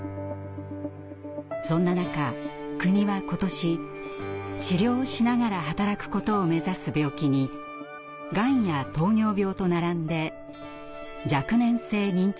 そんな中国は今年「治療しながら働くこと」を目指す病気にがんや糖尿病と並んで「若年性認知症」を加えました。